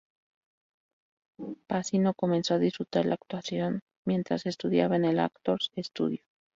Pacino comenzó a disfrutar la actuación mientras estudiaba en el Actors Studio.